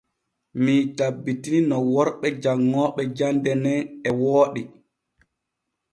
Mii tabbitini no worɓe janŋooɓe jande nen e wooɗi.